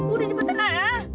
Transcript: udah cepet enak ya